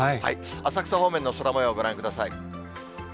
浅草方面の空もよう、ご覧ください。